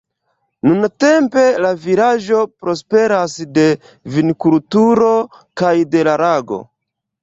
Nuntempe la vilaĝo prosperas de vinkulturo kaj de la lago.